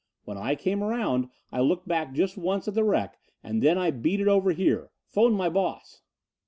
When I came around I looked back just once at the wreck and then I beat it over here. Phone my boss."